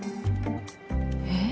えっ？